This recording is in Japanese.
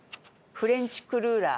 フレンチクルーラー。